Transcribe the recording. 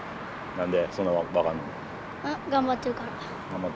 何で？